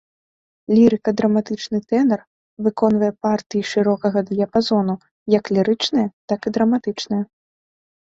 Лірыка-драматычны тэнар выконвае партыі шырокага дыяпазону як лірычныя, так і драматычныя.